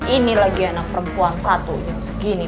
ini lagi anak perempuan satu segini